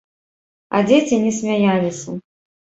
А дзеці не смяяліся.